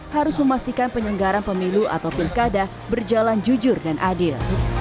harus memastikan penyelenggaran pemilu atau pilkada berjalan jujur dan adil